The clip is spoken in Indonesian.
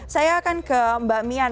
saya akan ke mbak mian